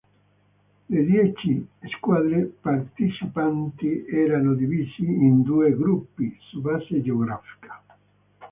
Le dieci squadre partecipanti erano divisi in due gruppi, su base geografica.